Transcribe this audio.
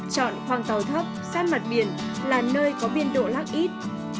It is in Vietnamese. chọn khoang tàu thấp sát mặt biển là nơi có biên độ lắc ít